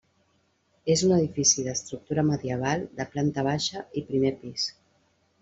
És un edifici d'estructura medieval de planta baixa i primer pis.